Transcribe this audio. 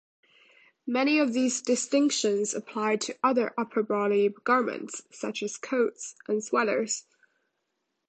Many of these distinctions apply to other upper-body garments, such as coats and sweaters.